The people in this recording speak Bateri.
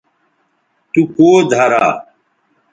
تو کوؤ دھرا